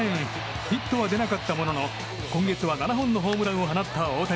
ヒットは出なかったものの今月は７本のホームランを放った大谷。